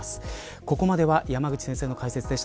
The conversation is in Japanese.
ここまでは山口先生の解説でした。